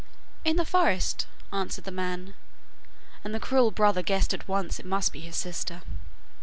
'In the forest,' answered the man, and the cruel brother guessed at once it must be his sister.